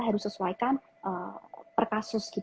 harus sesuaikan per kasus